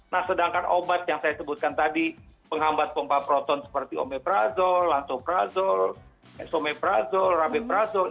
nah sedangkan obat yang saya sebutkan tadi penghambat pompa proton seperti omeprazol lantoprazol esomeprazol rameprazol